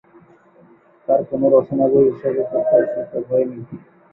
তার কোনও রচনা বই হিসাবে প্রকাশিত হয়নি।